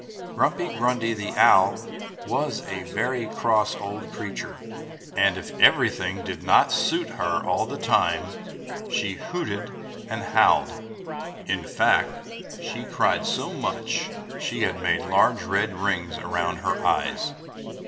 Grumpy Grundy, the Owl, was a very cross old creature, and if everything did not go to suit her all the time, she hooted and howled; in fact she had cried so much she had made large red rings around her eyes.